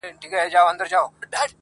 خو هېڅ څوک د هغې غږ ته نه درېږي,